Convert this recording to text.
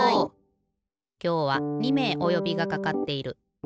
きょうは２めいおよびがかかっている。